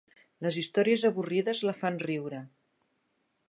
Les històries avorrides la fan riure.